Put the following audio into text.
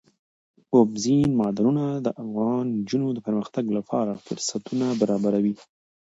اوبزین معدنونه د افغان نجونو د پرمختګ لپاره فرصتونه برابروي.